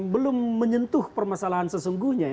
belum menyentuh permasalahan sesungguhnya